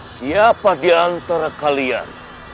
siapa diantara kalian